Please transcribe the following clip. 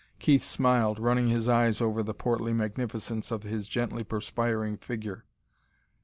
Keith smiled, running his eyes over the portly magnificence of his gently perspiring figure.